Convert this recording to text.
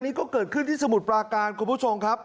นี่ก็เกิดขึ้นที่สมุดปราการครับครับ